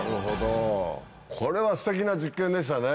これはステキな実験でしたね。